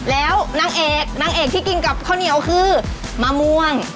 แล้วนางเอกนางเอกที่กินกับข้าวเหนียวคือมะม่วง